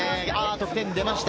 得点が出ました。